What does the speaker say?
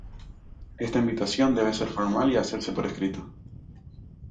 Esta invitación debe ser formal y hacerse por escrito.